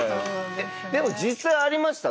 でも実際ありました？